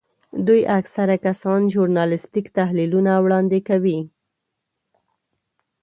دوی اکثره کسان ژورنالیستیک تحلیلونه وړاندې کوي.